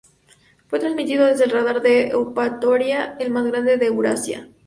Fue transmitido desde el radar de Eupatoria, el más grande de Eurasia.